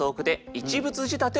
一物仕立て？